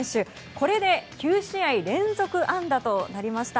これで９試合連続安打となりました。